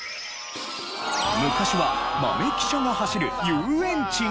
昔は豆汽車が走る遊園地が！